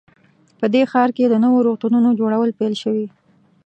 په دې ښار کې د نویو روغتونونو جوړول پیل شوي